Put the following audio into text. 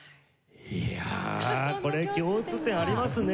いやこれ共通点ありますね。